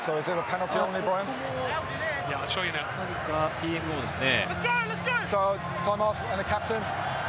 ＴＭＯですね。